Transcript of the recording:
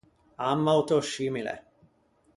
Amma o tò scimile.